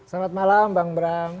selamat malam bang bram